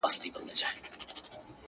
نازکبچياننازکګلونهيېدلېپاتهسي.